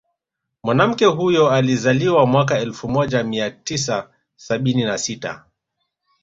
Mwanamke huyo alizaliwa mwaka elfu moja mia tisa sabini na sita